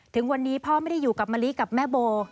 ถึงวันนี้พ่อไม่ได้อยู่กับมะลิกับแม่โบ